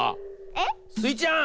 えっ？スイちゃん。